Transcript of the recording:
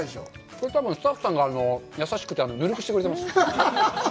これたぶんスタッフさんが優しくてぬるくしてくれてます